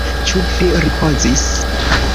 Ĉu vi ripozis?